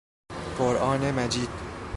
قرآن مجید